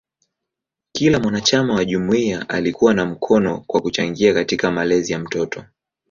Kila mwanachama wa jumuiya alikuwa na mkono kwa kuchangia katika malezi ya mtoto.